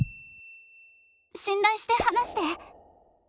信頼して話して。